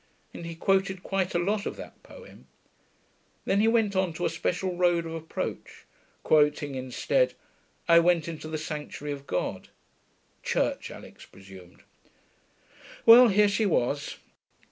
and he quoted quite a lot of that poem. Then he went on to a special road of approach, quoting instead, 'I went into the sanctuary of God.' Church, Alix presumed. Well, here she was.